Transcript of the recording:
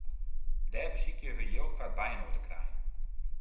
Dêr besykje we jild foar byinoar te krijen.